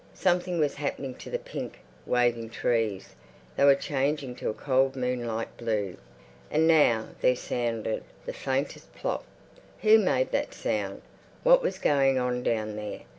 Something was happening to the pink, waving trees; they were changing to a cold moonlight blue. And now there sounded the faintest "plop." Who made that sound? What was going on down there?